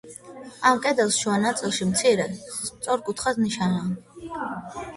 ამ კედლის შუა ნაწილში მცირე, სწორკუთხა ნიშაა.